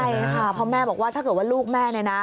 ใช่ค่ะเพราะแม่บอกว่าถ้าเกิดว่าลูกแม่เนี่ยนะ